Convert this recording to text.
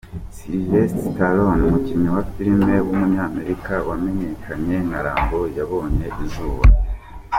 Sylvester Stallone, umukinnyi wa filime w’umunyamerika wamenyekanye nka Rambo yabonye izuba.